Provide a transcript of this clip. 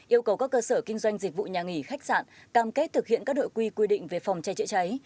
yêu cầu các cơ sở kinh doanh dịch vụ nhà nghỉ khách sạn cam kết thực hiện các đội quy quy định về phòng cháy chữa cháy